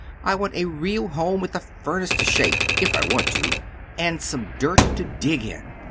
"I want a real home with a furnace to shake if I want to and some dirt to dig in."